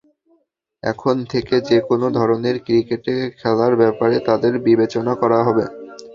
এখন থেকে যেকোনো ধরনের ক্রিকেটে খেলার ব্যাপারে তাঁদের বিবেচনা করা হবে।